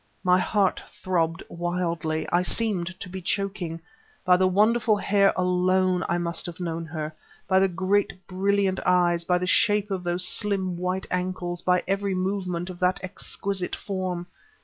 My heart throbbed wildly; I seemed to be choking. By the wonderful hair alone I must have known her, by the great, brilliant eyes, by the shape of those slim white ankles, by every movement of that exquisite form.